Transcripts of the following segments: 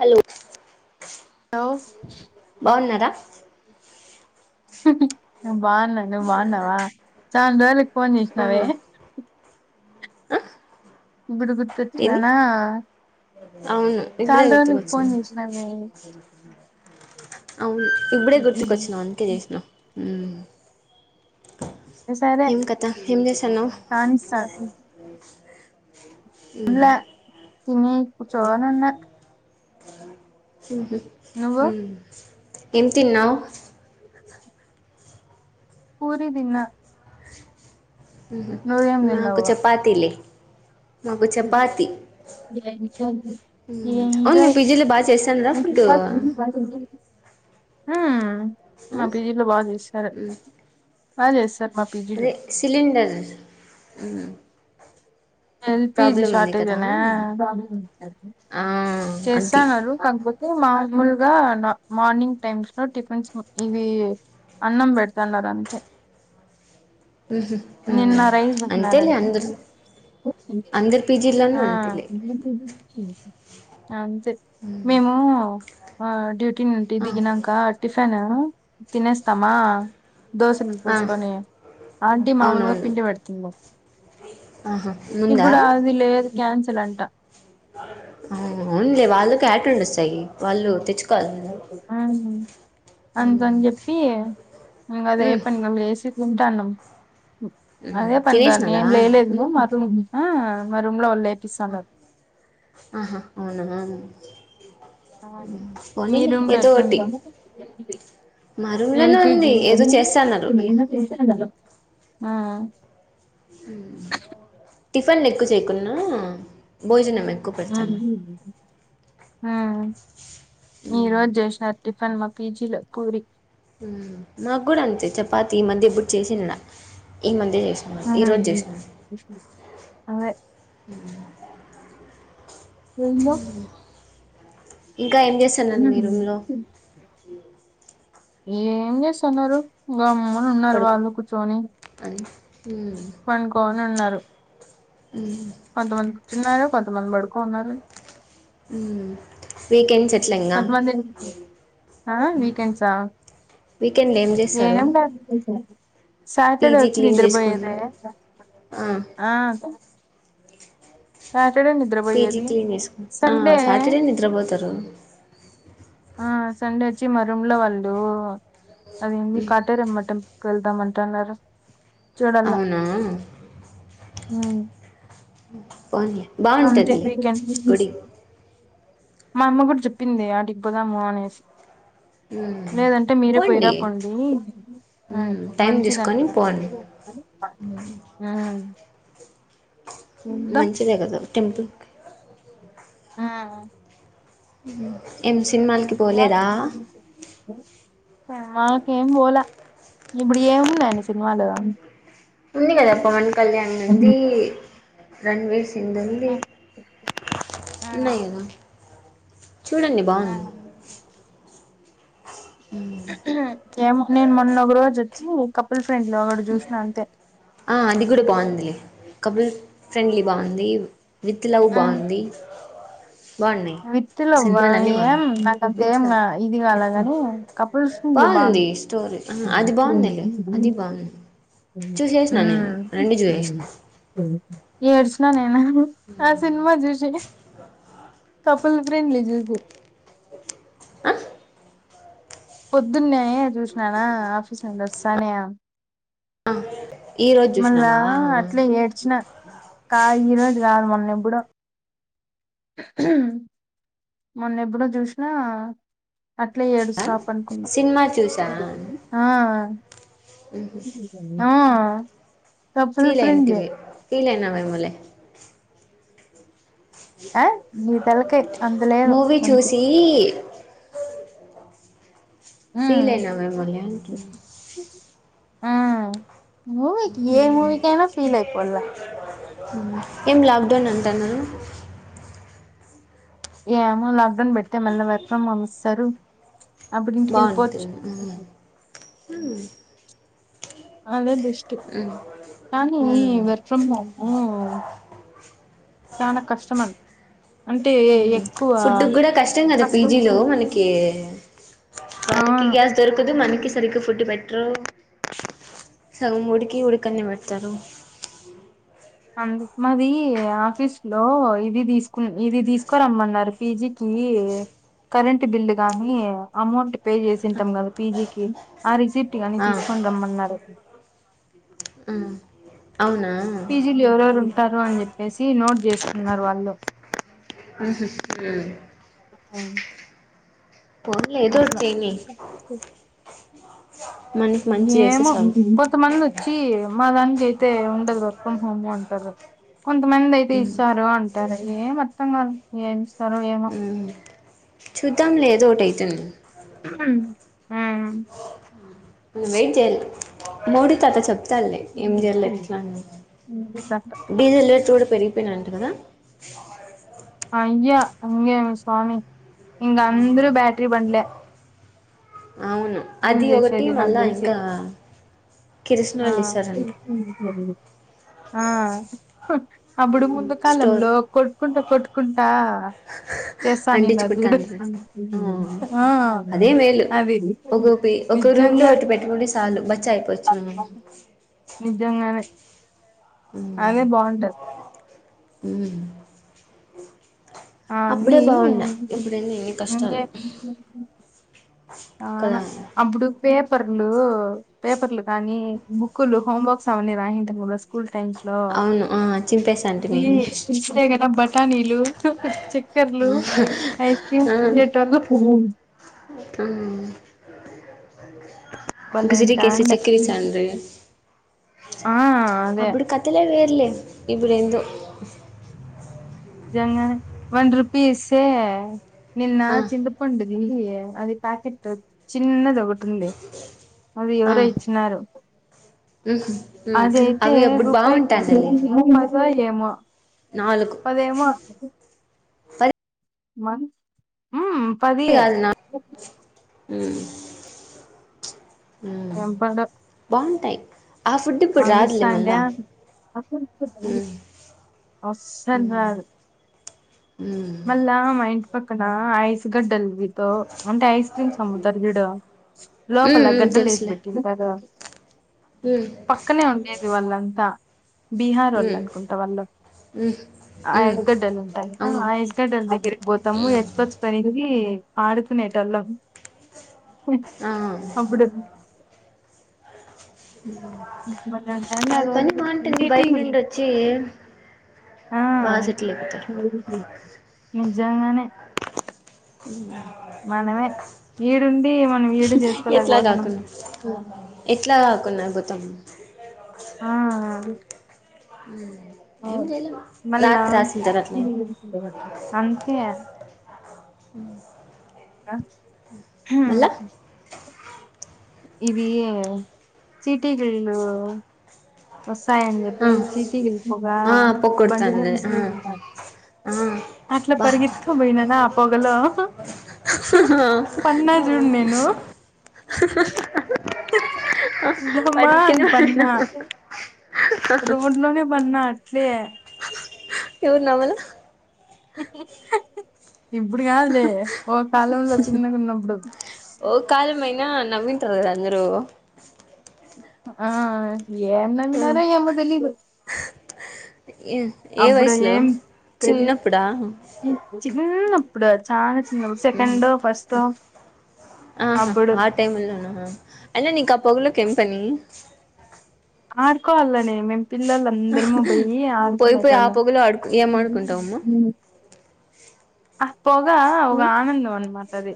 Hello hello బాన్నారా నువ్వు బాన్నా నువ్వు బాన్నావా చాన్ రోజులకి ఫోన్ చేసినవే అ ఇప్పుడు గుర్తొచ్చిననా అవును ఇప్పుడే గుర్తుకొచ్చిన చేసినావే అవును ఇప్పుడే గుర్తుకొచ్చినావు అందుకే చేసినా హ్మ్ సరే ఏం కథ ఏం చేస్తన్నావ్ కానిస్తా హ్మ్ తినే కూర్చొనున్న హ్మ్ హు నువ్వు హ్మ్ ఏం తిన్నావ్ పూరి తిన్న హ్మ్ హు నాకు చపాతిలి జయ [unintelligible] మ్మ్ అవును మీ ఏంజాయ్ పీజీలో బాగా చేస్తాన్రా ఫుడ్ ఆ హ మా మ్మ్ పీజీలో బాగా చేస్తారు బాగా చేస్తారు మా పీజీలో అదే cylinder L P G problem ఉంది షార్టేజ్ కదా అనా ఆ అది చేస్తాన్నారు కాక పో తే మామూలుగా మార్నింగ్ టైమ్స్ లో టిఫిన్స్ ఇవి అన్నం పెడతన్నారు అంతే మ్మ్ హు మ్మ్ నిన్న రైస్ అంతేలే పెట్నారంట అందరు అందరి పీజీల్లోనూ ఆ అంతేలే అంతే మేము ఆ డ్యూటీ నుండి ఆ దిగినంకా టిఫి [unintelligible] తినేస్తామా దోశలు ఆ పోసుకొని ఆంటీ మామూలుగా అవునవును పిండి పెడుతుంది ఆహా ముందా ఇప్పుడు అది లేదు క్యాన్సిల్ అంట ఆ అవునులే వాళ్ళు [unintelligible] వాళ్ళు తెచ్ ఆవును అందుకని చెప్పీ ఇంగ అదే ఉమ్, పనిగ లేసి తింటాన్నమ్ ఉమ్, అదే పనిగా తినేసినారా నేను లేయలేదు మాకు ఆ మా రూమ్ లో వాళ్ళు లేపిస్తండారు ఆహా అవునా ఆ మీ పోనీలే రూమ్ లో ఏదో ఒకటి ఎట్లుంది మా రూమ్లోనే ఎల్పీ ఉంది ఏదో జీవితము చేస్తన్నారు మీ అన్న చేస్తానాడు దాంట్లో ఆ ఆ ఉమ్ టిఫిన్లు ఎక్కువ చేయకున్నా భోజనమే [unintelligible] ఆ ఈ ఉమ్, రోజు చేశినారు టిఫన్ మా పీజీలో పూరి ఊ మాకు కూడా అంతే చపాతి ఈ మద్య ఎప్పుడు చేసింల ఈ మద్య చే ఈరోజు చేసినర్ అదే ఉమ్ ఉమ్ ఉమ్ హు ఏం చేస్తన్నారు గమ్మున ఉన్నారు పడుకు వాళ్ళు కూర్చొని అని ఉమ్, పండుకోని ఉన్నారు ఉమ్. కొంతమంది కూర్చున్నారు కొంతమంది పడుక్ కొన్నారూ ఊమ్ వీకెండ్సే ఎట్ల్ కొంతమంది ఆ వీకెండ్సా వీకెండ్లో ఏం చేస్తారు ఏమి బాగాలేవ్ సాటర్డే పీజీ వచ్చి క్లీన్ చేసుకొని నిద్రపోయేదే ఆ సాటర్డే నిద్ర పీజీ పోయేది క్లీన్ చేసుకొని ఆ, సండే సాటర్డే నిద్రపోతారు ఆ సండే ఒచ్చి మా రుంలో వాళ్ళు అది ఏందీ కట్టేరమ్మా టెంప్ కెల్దాం అంటున్నారు చుడాల్ల అవునా ఉహ్మ్ పోనీ అంతే బాగుంటుందిలే వీకెండ్ గుడి [unintelligible] మా అమ్మ కూడా చెప్పిందే ఆడికి పోదాము అనేసి మ్మ్. లేదంటే మీరే పోండి పోయిరాపోండి అనే మ్మ్. టైం తీసుకొని మంచిదట పోండి ఉమ్ చూద్దాం మంచిదే గదా టెంపుల్ కి ఉహ్మ్ ఏం సినిమాలకి పోలేదా సినిమాకి ఏం పోల ఇప్పుడు ఏమున్నాయని సినిమాలూ ఉంది కదా పవన్ కళ్యాణ్ ది ఉంది రణ్వీర్ సింగ్ ది ఉంది ఆ ఆ ఉన్నాయ్ కదా చూడండి ఆ బాగుంది ఉహ్మ్ హు ఏమో నేన్ మొన్న ఒక రోజు వచ్చి కపుల్స్ ఆ అది కూడ బావుందిలే కబుల్ ఫ్రెండ్లీ బాగుంది విత్ లవ్ ఆ బాగుంది బాగున్నాయి విత్ లవ్వా సినిమాలు అన్నీ ఏం బాగున్నాయి నాకు విత్ అంతేం లవ్ ఇది కాలే కాని కపుల్స్ [unintelligible] బాగుంది స్టోరీ ఆ, అది బాగుందిలే అది బాగుంది [unintelligible] చూసేసిన నేను రెండు చూసేసిన ఉమ్ ఏడ్చిన నేను ఆ సినిమా చూసి కపుల్ ఫ్రెండ్లీ జూసి అ పొద్దున్నే చూసిననా ఆఫీస్ నుండి వస్తానే ఈరోజు మల్ల చూసినావా అట్లే ఏడ్చిన కాద్ ఈరోజు కాదు మొన్న ఎప్పుడో ఉహ్మ్ హు మొన్న ఎప్పుడో చూసినా అట్లా ఆ? ఏడుస్తా పడుకున్న సినిమా చూసా ఆ ఆ కపుల్ ఫీల్ ఫ్రెండ్లీ అయింటివి ఫీల్ అయినావా ఏమో లే ఆ నీ తలకాయ్ అంత లేదు మూవీ మనకి చూసి ఉమ్ ఫీల్ అయినావా ఏమోలే అంటున్నా ఉమ్ మూవీకి ఏ మూవీకి అయినా ఫీల్ అయిపోలా ఏం లాక్ డౌన్ అంటాన్నారు ఏమో లాక్ డౌన్ పెడితే మళ్ళీ వర్క్ ఫ్రొం హోమ్ ఇస్తారు అప్పుడు ఇంటికి వెళ్ళిపోవచ్చు హు అదే బెస్ట్ కనీ ఉమ్. వర్క్ ఫ్రమ్ హోమ్ చానా కష్టం అద్ ఫుడ్ కూడా కష్టం కదా పీజీలో మనకి వాళ్ళకి గ్యాస్ దొరకదు అవును మనకి సరిగ ఫుడ్డు పెట్టరు. సగం ఉడికి ఉడకన్ది పెడతారు అందుకు మాది ఆఫీస్ లో ఇది తీసుకు ఇది తీసుకోరమ్మన్నారు పీజి కీ ఈ ఏ కరెంట్ బిల్లు గాని అమౌంట్ పే చేసింటాం కదా పీజీకి ఆ రిసిప్ట్ అట్టిగా అని ఆ తీసుకొని రమ్మన్నారు ఆ అవునా పీజీలు ఎవరెవరు ఉంటారు అని చెప్పేసి నోట్ చేసుకున్నారు వాళ్ళు [unintelligible] అవును పోన్లే ఏదో ఒటి చేయని మనకి మంచి చేస్తే ఏమో చాలు కొంత మంది వచ్చి మా దానికి అయితే ఉండదు వర్క్ ఫ్రమ్ హోమ్ అంటారు. కొంతమంది అయితే ఉమ్ ఇస్తారు అంట అంటారు ఏం అర్థం కాదు ఏమిస్తారు ఏమె చూద్దాం లే ఏదోటైతాది హుమ్మ్ ము నువైమ్ చేయాద్ మోదీ తాత చెప్తూ డీజిల్ రేట్లు కూడా పెరిగి చెప్పనంట కదా అయ్యా అంగ స్వామి ఇంగ అందరు బ్యాటరీ బండ్లే అవును ఇది అది ఒకటి చేసేది నాకు మళ్ళా తెలిసి ఇంకా ఆ కిరసనాయిల్ ఇస్తారంట ఆ అప్పుడు ముందు స్టోర్ కాలంలో కొట్టుకుంటా కొట్టుకుంటా చేస్తానిన్న చూడు అంటించుకుంటాను ఆ అదే మేలు అది ఒక పి ఒక రూమ్ లో నిజంగా ఒకట్టి పెట్టుకుంటడి చాలు బచ్చ అయిపోవచ్చు మనం నిజంగానే అదే బాగుంటది హు ఆ అన్నీ ఇన్ని ముందే కష్టాలు ఆనా కదా అప్పుడు పేపర్లు పేపర్లు కానీ బుక్కులు హోంవర్క్ సామాన్య రాయని ఇంతకు ముందు స్కూల్ టైమ్స్ లో అవును ఆ చింపేసాంటిమి కనీలు హు హు చక్కర్లు ఐస్ క్రీమ్ ఆ ఆ తీంనేటొల్లుపోవుం ఇంక భలే సిటీకె ఉంటాండే సిటికే అంట్రీ ఆ అదే అప్పుడు కథలే వేర్లే ఇప్పుడు ఎంతో జంగా వన్ రుపిస్తే నిన్న ఆ చింత పండుది అది ప్యాకెట్ చిన్నదొ ఒకటి ఉంది అది ఆ ఎవరో ఇచ్చినారు మ్హు మ్మ్ అదైతే అవి అప్పుడు రూపాయిక బాగుంటాండలే మజా ఏమో నాలుగు ఏదైమో పది హ్మ్ పది కాదు నా బాగుంటాయి ఆ ఫుడ్ ఆ ఇప్పుడు విస రాదులే మళ్ళా మ్మ్ [unintelligible] ఆసన్ రాదు మ్మ్ మళ్ళా మా ఇంట్ పక్కన ఐస్ గడ్డలు తో అంటే ఐస్ క్రీమ్స్ అమ్ముతారు చూడు మ్మ్ లోపల మ్మ్ గడ్డలు వేసి తెలుసులే పెట్టింది కదు మ్మ్ పక్కనే ఉండేది వాళ్ళంతా బీహార్ వాళ్ళు మ్మ్ అనుకుంటా వాళ్ళు మ్మ్ మ్మ్ హయర్గడ్డలు ఉంటాయి అవును దాని దగ్గరికి పోతాము ఎత్కొచ్చు కొనేది ఆడుతునేటళ్ళం ఆ అప్పుడు మన్న అంట్టనా వాళ్ళ పని రోజుజ బాగుంటుంది బయట నుండి వచ్చి [unintelligible] ఆ బాగా సెటిల్ అయిపోతారు నిజంగానే ఇ మనమే ఈడుండి మనం ఈడు ఎట్లా చేసుకోలేకపోతున్నాం కాకుండా ఎట్లా కాకున్నా అభుతం అ హ్మ్ అవు మళ్ళతు అట్లే అంతే ఉ ఆ ఇది సిటీ జరిగిన వసాయంం ఆ చెప్పతి చీటీకిళ్గా ఆ బడిలో పొగొడతాంది ఆ ఆ అట్లా బా పరిగత్త్త పోయినాద ఆ పొగల పన్నా చూడు నేను వాడివి కింద బమాన్ పన్నా పడిపోయినావు రోడ్ లోనే బన్నా అట్లే ఎవరు నావ్వాలె ఇప్పుడు కాదు ఒక కాలంలో చిన్నగా ఉన్నప్పుడు మైనా నావింటారు కదా అందరు ఆ ఏం నవ్వినారో ర ఏమో తెలీదు ఏ ఏ అప్పుడు వయసులో ఏం తె చిన్నప్పుడా చిన్న ఇప్పుడు చాలా చిన్న సెకండ్ ఓ ఫస్ట్ ఆహా అప్పుడు ఆ టైమ్ల్లో ఐనా నీకీ ఆ పగలోకి ఎం పనీ ఆదుకోవాలి అని మేం పిల్లలు అందరము పోయి పోయి పోయి ఆ ఆనేలాళ పొగలో ఆడుకు ఏం ఆడుకుంటావమ్మా అ పోగా ఒక ఆనందం అనమాటది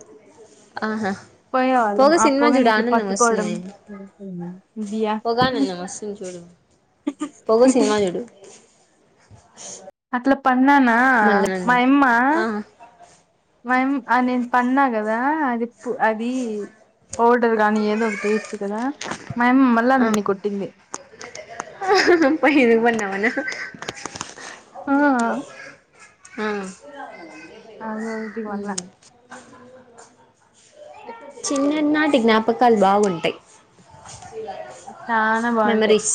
ఆహా పోగా సినిమా పొగని చూడు ఇట్లా ఆనందం పట్టుకోవడం వస్తుంది బియా పోగా ఆనందం వస్తుంది చూడు పోగ సినిమా జడు ట్ల పన్నానా మా యమ్మా ఆ మేం నేను పన్నా కదా అది ప్ అది పౌడర్ గానీ ఏదో ఒకటి ఇయచ్చు కదా మా అమ్మ మళ్ళ అన్ని కొట్టింది హ హ హ పైన బన్నావనా ఆ ఇలాగా ఆరోజుకి మల్ల చిన్నన్నాటి జ్ఞాపకాలు బాగుంటయ్ చానా బాగుంటాయి మెమరీస్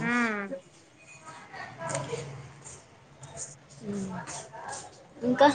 ఆ [inaudible] ఇంకా